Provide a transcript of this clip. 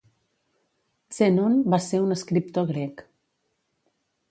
"Zenon" va ser un escriptor grec.